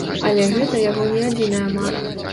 Але гэта яго не адзіная мара.